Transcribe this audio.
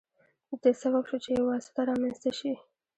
د دې سبب شو چې یو واسطه رامنځته شي.